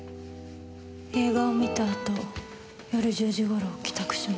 映画を観たあと夜１０時頃帰宅しました。